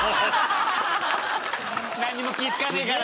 何にも気ぃ使わねえから。